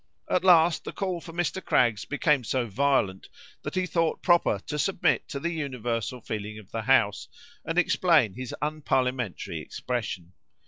At last, the call for Mr. Craggs became so violent, that he thought proper to submit to the universal feeling of the House, and explain his unparliamentary expression.